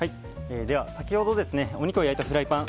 では先ほどお肉を焼いたフライパン。